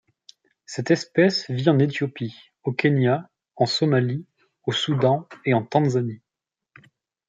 Cette espèce vit en Éthiopie, au Kenya, en Somalie, au Soudan et en Tanzanie.